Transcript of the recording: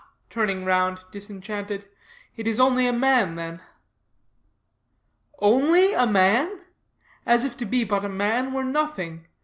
turning round disenchanted, "it is only a man, then." "Only a man? As if to be but a man were nothing.